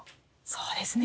そうですね